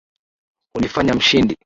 hunifanya Mshindi.